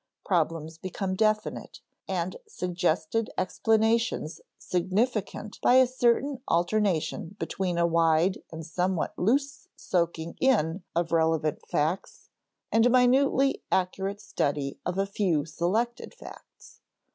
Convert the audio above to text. Problems become definite, and suggested explanations significant by a certain alternation between a wide and somewhat loose soaking in of relevant facts and a minutely accurate study of a few selected facts.